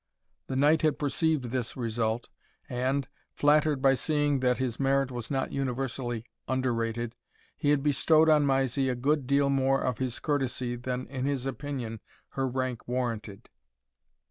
The knight had perceived this result, and, flattered by seeing that his merit was not universally underrated, he had bestowed on Mysie a good deal more of his courtesy than in his opinion her rank warranted.